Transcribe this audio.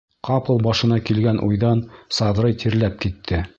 Ҡапыл башына килгән уйҙан Саҙрый тирләп китте.